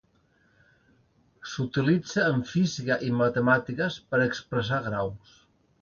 S'utilitza en física i matemàtiques per expressar graus.